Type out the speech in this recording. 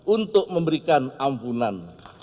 untuk memberikan ampunan